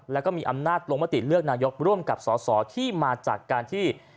แล้วก็มีอำนาจลงมติเลือกนายกร่วมกับสอสอที่มาจากการที่